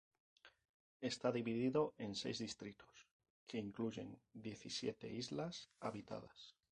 Está dividido en seis distritos que incluyen diecisiete islas habitadas.